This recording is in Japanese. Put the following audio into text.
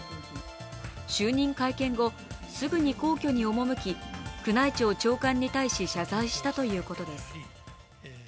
就任会見後、すぐに皇居に赴き宮内庁長官に対して謝罪したということです。